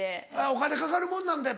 お金かかるもんなんだ